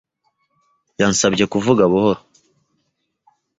Yansabye kuvuga buhoro.